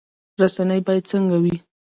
رسنۍ باید څنګه وي؟